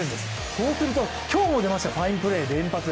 そうすると今日も出ました、ファインプレー連発。